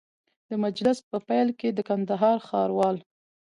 د مجلس په پیل کي د کندهار ښاروال